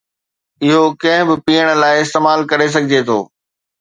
اهو ڪنهن به پيئڻ لاء استعمال ڪري سگهجي ٿو.